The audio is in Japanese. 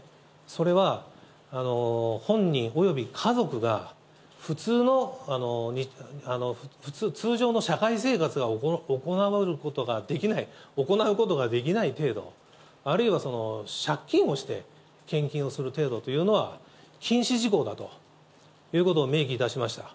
それは、本人および家族が、普通の普通、通常の社会生活が行われることができない、行うことができない程度、あるいは借金をして献金をするというのは禁止事項だということを明記いたしました。